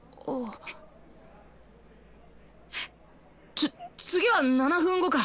つ次は７分後か。